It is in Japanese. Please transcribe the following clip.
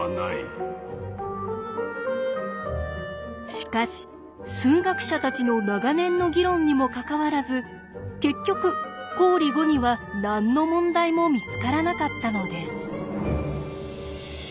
しかし数学者たちの長年の議論にもかかわらず結局公理５には何の問題も見つからなかったのです。